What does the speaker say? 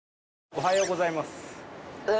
おはようございます。